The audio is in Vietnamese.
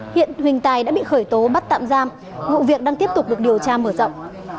hiện huỳnh tài đã bị khởi tố bắt tạm giam vụ việc đang tiếp tục được điều tra mở rộng